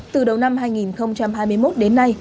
từ đầu năm hai nghìn hai mươi một đến nay